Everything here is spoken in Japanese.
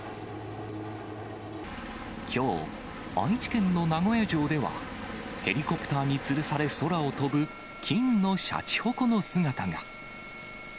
きょう、愛知県の名古屋城では、ヘリコプターにつるされ、空を飛ぶ金のシャチホコの姿が。